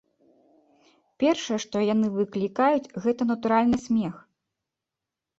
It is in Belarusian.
Першае, што яны выклікаюць, гэта, натуральна, смех.